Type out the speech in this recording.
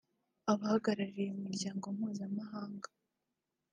abahagaririye imiryango mpuzamahanga